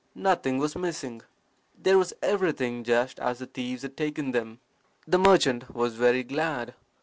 Nothing was missing. There was everything just as the thieves had taken them. "The merchant was very glad.